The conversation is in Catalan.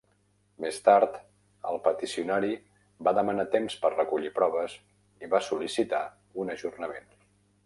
Més tard, el peticionari va demanar temps per recollir proves i va sol·licitar un ajornament.